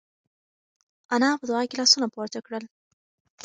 انا په دعا کې لاسونه پورته کړل.